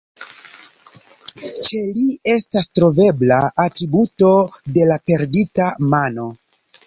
Ĉe li estas trovebla atributo de la perdita mano.